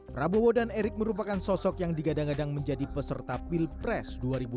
prabowo dan erick merupakan sosok yang digadang gadang menjadi peserta pilpres dua ribu dua puluh